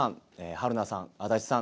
春菜さん、足立さん